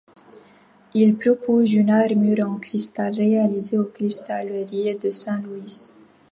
Il propose une armure en cristal réalisée aux Cristalleries de Saint-Louis.